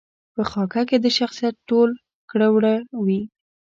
په خاکه کې د شخصیت ټول کړه وړه وي.